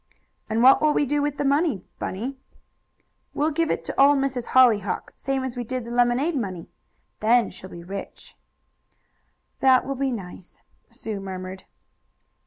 "And what will we do with the money, Bunny?" "We'll give it to Old Miss Hollyhock, same as we did the lemonade money. Then she'll sure be rich." "That will be nice," Sue murmured.